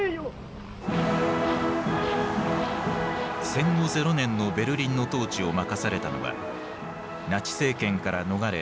戦後ゼロ年のベルリンの統治を任されたのはナチ政権から逃れ